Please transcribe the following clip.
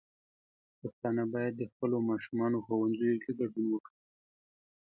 پښتانه بايد د خپلو ماشومانو ښوونځيو کې ګډون وکړي.